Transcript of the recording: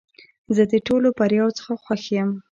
زه د ټولو بریاوو څخه خوښ یم .